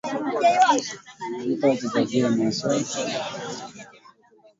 hivi punde nimeapishwa kuwa rais wa zanzibar na nyote mmeshuhudia